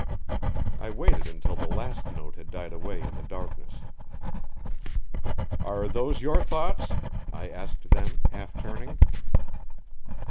I waited until the last note had died away in the darkness. "Are those your thoughts?" I asked then, half turning.